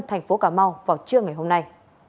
thành phố cá mau vào trưa ngày hôm nay